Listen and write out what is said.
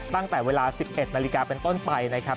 ตั้งแต่เวลา๑๑นาฬิกาเป็นต้นไปนะครับ